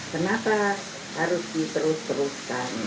kenapa harus diteruskan